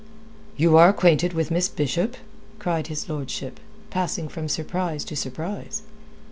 "You are acquainted with Miss Bishop?" cried his lordship, passing from surprise to surprise.